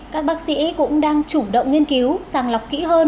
các bác sĩ cũng đang chủ động nghiên cứu sàng lọc kỹ hơn